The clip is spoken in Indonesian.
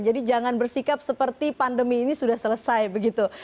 jadi jangan bersikap seperti pandemi ini sudah selesai begitu